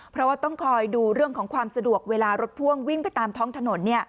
เพราะว่าต้องคอยดูเรื่องของความสะดวกเวลารถพ่วงวิ่งไปตามท้องถนน